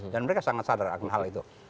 dan mereka sangat sadar akan hal itu